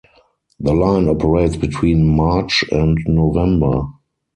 The line operates between March and November.